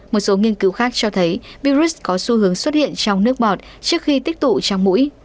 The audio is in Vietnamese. một số nghiên cứu khác cho thấy virus có xu hướng xuất hiện trong nước bọt trước khi tích tụ trong mũi